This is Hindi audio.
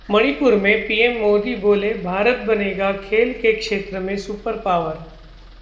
मणिपुर में पीएम मोदी बोले- भारत बनेगा खेल के क्षेत्र में सुपर पावर